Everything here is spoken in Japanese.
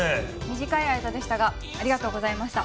短い間でしたがありがとうございました。